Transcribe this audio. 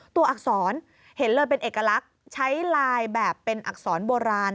อักษรเห็นเลยเป็นเอกลักษณ์ใช้ลายแบบเป็นอักษรโบราณ